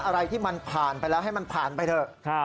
อะไรที่มันผ่านไปแล้วให้มันผ่านไปเถอะ